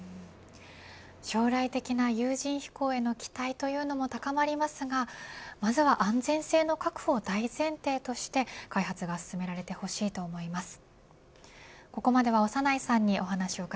将来的な有人飛行への期待というのも高まりますがまずは安全性の確保を大前提として開発が進められてほしいと思います。